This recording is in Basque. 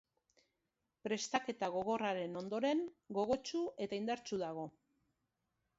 Prestaketa gogorraren ondoren, gogotsu eta indartsu dago.